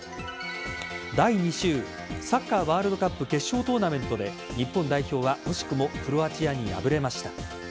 第２週サッカーワールドカップ決勝トーナメントで日本代表は惜しくもクロアチアに敗れました。